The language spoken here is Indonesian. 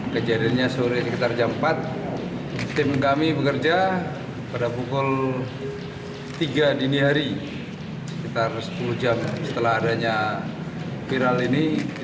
kejadiannya sore sekitar jam empat tim kami bekerja pada pukul tiga dini hari sekitar sepuluh jam setelah adanya viral ini